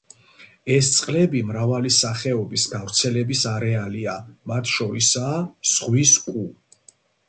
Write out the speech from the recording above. ეს წყლები მრავალი სახეობის გავრცელების არეალია, მათ შორისაა ზღვის კუ.